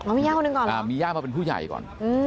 มีญาติคนนึงก่อนมีญาติมาเป็นผู้ใหญ่ก่อน